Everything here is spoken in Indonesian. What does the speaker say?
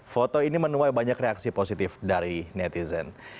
foto ini menuai banyak reaksi positif dari netizen